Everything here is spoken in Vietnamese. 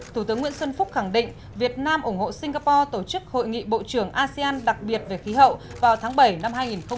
một mươi chín thủ tướng nguyễn xuân phúc khẳng định việt nam ủng hộ singapore tổ chức hội nghị bộ trưởng asean đặc biệt về khí hậu vào tháng bảy năm hai nghìn một mươi tám